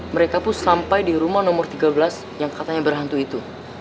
mereka pun sampai di rumah nomor tiga belas yang katanya berhantu itu